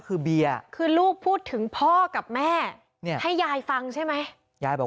คือเบียร์คือลูกพูดถึงพ่อกับแม่ให้ยายฟังใช่ไหมยายบอก